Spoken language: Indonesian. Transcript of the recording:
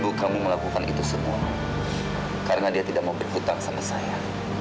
ibu kamu melakukan itu semua karena dia tidak mau berhutang sama saya